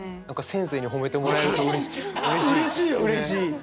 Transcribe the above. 何か先生に褒めてもらえるとうれしい。